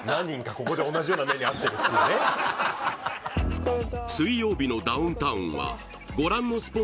ここで同じような目に遭ってるっていうねお米ちゃーん。